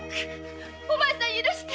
お前さん許して！